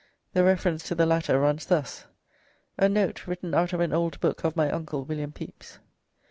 The reference to the latter runs thus: "A Noate written out of an ould Booke of my uncle William Pepys."